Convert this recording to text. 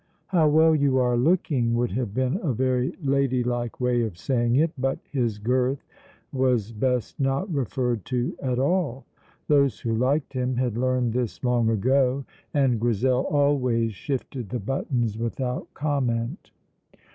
"How well you are looking!" would have been a very ladylike way of saying it, but his girth was best not referred to at all. Those who liked him had learned this long ago, and Grizel always shifted the buttons without comment.